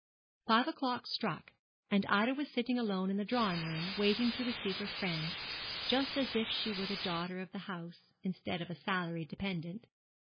Five o'clock struck, and Ida was sitting alone in the drawing room, waiting to receive her friend, just as if she were the daughter of the house, instead of a salaried dependent.